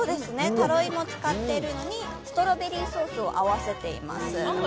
タロイモを使っているのにストロベリーソースを合わせています。